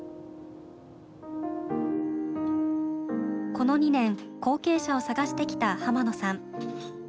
この２年後継者を探してきた野さん。